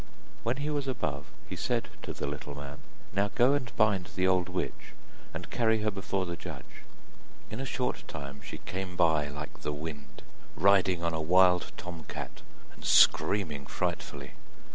When he was above, he said to the little man: 'Now go and bind the old witch, and carry her before the judge.' In a short time she came by like the wind, riding on a wild tom cat and screaming frightfully.